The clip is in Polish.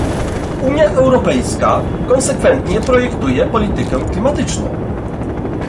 Unia Europejska konsekwentnie projektuje politykę klimatyczną